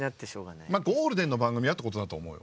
ゴールデンの番組はってことだと思うよ。